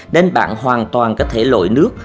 nên bạn hoàn toàn có thể lội nước